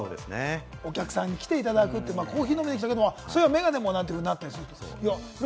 お客さんに来ていただく、コーヒー飲みに来たけど、メガネもなんてこともあったりして。